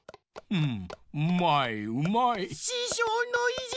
うん？